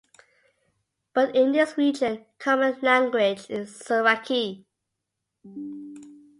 But in this region common language is Saraki.